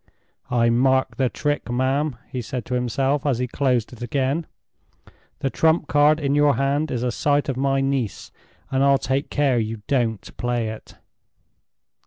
"I mark the trick, ma'am!" he said to himself, as he closed it again. "The trump card in your hand is a sight of my niece, and I'll take care you don't play it!"